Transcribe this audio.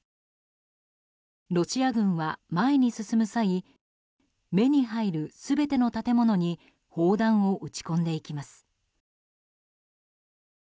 ロシア軍は前に進む際目に入る全ての建物に砲弾を撃ち込んでいきます。